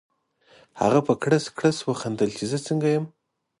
هغه په کړس کړس وخندل چې زه څنګه یم؟